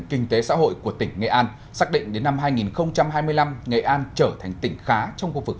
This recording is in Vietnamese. kinh tế xã hội của tỉnh nghệ an xác định đến năm hai nghìn hai mươi năm nghệ an trở thành tỉnh khá trong khu vực